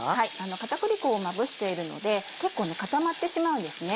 片栗粉をまぶしているので結構固まってしまうんですね。